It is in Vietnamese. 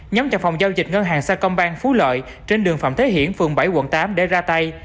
nhóm trong phòng giao dịch ngân hàng sa công bang phú lợi trên đường phạm thế hiển phường bảy quận tám để ra tay